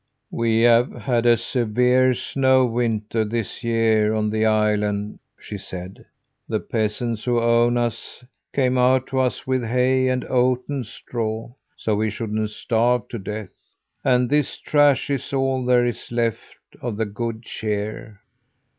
"We have had a severe snow winter this year, on the island," she said. "The peasants who own us came out to us with hay and oaten straw, so we shouldn't starve to death. And this trash is all there is left of the good cheer."